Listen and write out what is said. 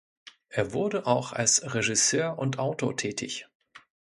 Er wurde auch als Regisseur und Autor tätig.